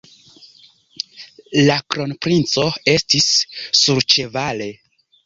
La kronprinco estis surĉevale.